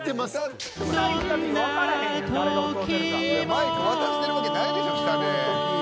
マイク渡してるわけないでしょ下で。